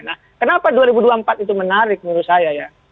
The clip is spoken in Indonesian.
nah kenapa dua ribu dua puluh empat itu menarik menurut saya ya